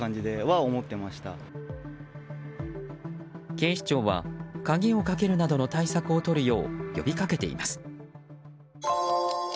警視庁は鍵をかけるなどの対策をとるよう呼びかけています。